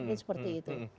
ini seperti itu